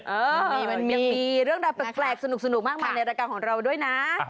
นี่มันยังมีเรื่องราวแปลกสนุกมากมายในรายการของเราด้วยนะ